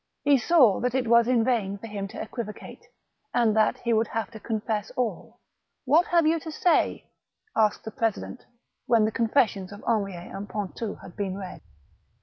He saw that it was in vain for him to equivocate, and that he would have to confess all. " What have you to say ?asked the president, when the confessions of Henriet and Pontou had been read.